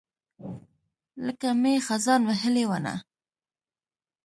لکه مئ، خزان وهلې ونه